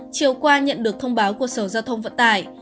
chiều qua nhận được thông báo của sở giao thông vận tải